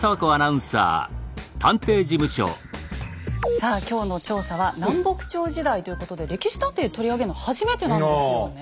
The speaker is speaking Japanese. さあ今日の調査は「南北朝時代」ということで「歴史探偵」で取り上げるの初めてなんですよねえ。